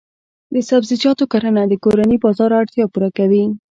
د سبزیجاتو کرنه د کورني بازار اړتیا پوره کوي.